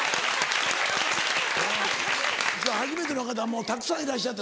今日初めての方たくさんいらっしゃって。